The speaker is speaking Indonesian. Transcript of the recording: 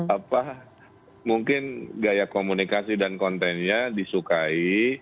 apa mungkin gaya komunikasi dan kontennya disukai